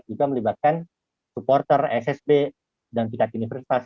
juga melibatkan supporter ssb dan tingkat universitas